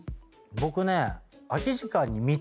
僕ね空き時間に。